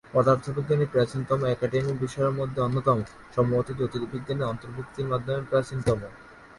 পদার্থবিজ্ঞান প্রাচীনতম একাডেমিক বিষয়ের মধ্যে অন্যতম, সম্ভবত জ্যোতির্বিজ্ঞানের অন্তর্ভুক্তির মাধ্যমে প্রাচীনতম।